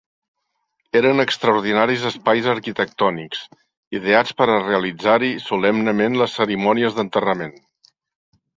Eren extraordinaris espais arquitectònics, ideats per a realitzar-hi solemnement les cerimònies d'enterrament.